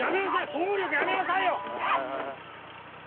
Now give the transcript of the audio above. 暴力やめなさいよ！